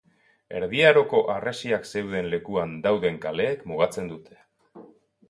Erdi Aroko harresiak zeuden lekuan dauden kaleek mugatzen dute.